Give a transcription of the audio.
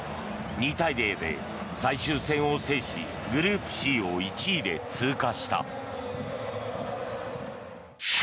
２対０で最終戦を制しグループＣを１位で通過した。